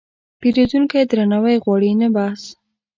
پیرودونکی درناوی غواړي، نه بحث.